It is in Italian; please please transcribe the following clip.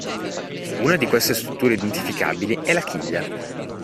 Una di queste strutture identificabili è la chiglia.